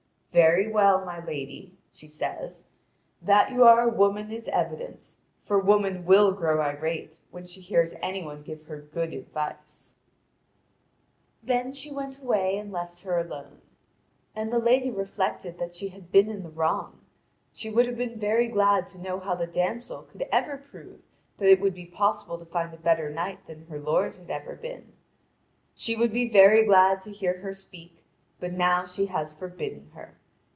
"Very well, my lady," she says; "that you are a woman is evident, for woman will grow irate when she hears any one give her good advice." (Vv. 1653 1726.) Then she went away and left her alone. And the lady reflected that she had been in the wrong. She would have been very glad to know how the damsel could ever prove that it would be possible to find a better knight than her lord had ever been. She would be very glad to hear her speak, but now she has forbidden her.